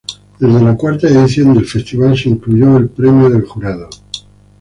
Desde la cuarta edición del festival se incluyó el Premio del Jurado.